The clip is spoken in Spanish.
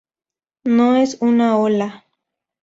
No es una ola.